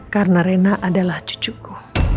karena rena adalah cucuku